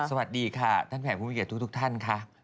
สวัสดีค่ะท่านแขกผู้มีเกียรติทุกท่านค่ะ